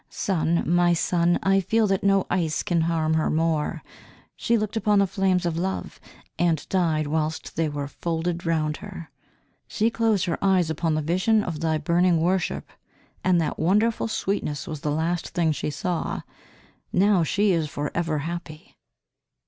"Son, my son, I feel that no ice can harm her more she looked upon the flames of Love, and died whilst they were folded round her; she closed her eyes upon the vision of thy burning worship, and that wonderful sweetness was the last thing she saw; now she is for ever happy."